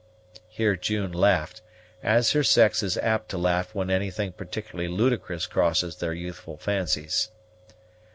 Here June laughed, as her sex is apt to laugh when anything particularly ludicrous crosses their youthful fancies.